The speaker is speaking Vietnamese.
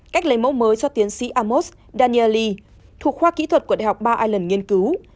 cách lấy mẫu mới do tiến sĩ amos danieli thuộc khoa kỹ thuật của đại học bar island nghiên cứu